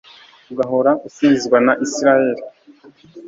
ugahora usingizwa na Israheli